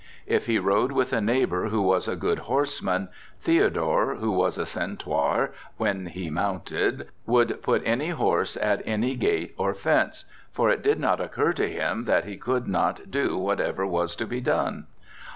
If he rode with a neighbor who was a good horseman, Theodore, who was a Centaur, when he mounted, would put any horse at any gate or fence; for it did not occur to him that he could not do whatever was to be done.